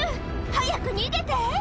早く逃げて！